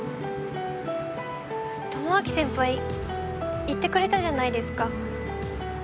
智章先輩言ってくれたじゃないですか。